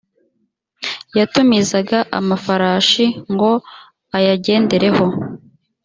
yatumizaga amafarashi ngo ayagendereho.